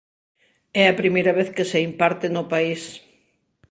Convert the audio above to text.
É a primeira vez que se imparte no país.